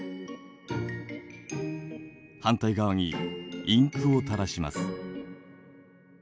反対側にインクを垂らします。